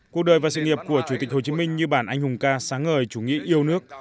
cuộc đời và sự nghiệp của chủ tịch hồ chí minh như bản anh hùng ca sáng ngời chủ nghĩa yêu nước